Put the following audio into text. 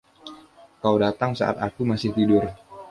Kau datang saat aku masih tidur.